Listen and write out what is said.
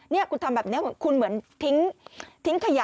นี่คุณทำแบบนี้คุณเหมือนทิ้งขยะ